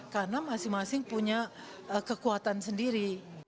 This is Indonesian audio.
karena masing masing punya kekuatan sendiri